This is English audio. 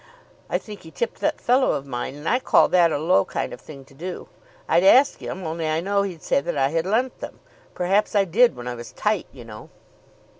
I think he tipped that fellow of mine; and I call that a low kind of thing to do. I'd ask him, only I know he'd say that I had lent them. Perhaps I did when I was tight, you know."